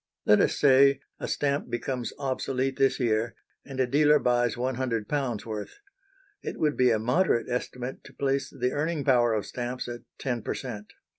Let us say a stamp becomes obsolete this year, and a dealer buys £100 worth. It would be a moderate estimate to place the earning power of stamps at 10 per cent.